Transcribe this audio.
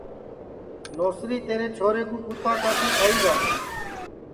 نوسری تیرے چھورے کُو کُوتا کاٹی کھائی گا